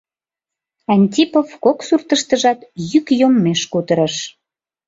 Антипов кок суртыштыжат йӱк йоммеш кутырыш.